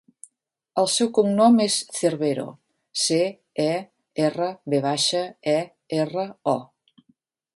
El seu cognom és Cervero: ce, e, erra, ve baixa, e, erra, o.